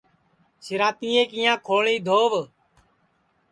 سِنٚراتِئے کِیاں کھوݪیں دھووَ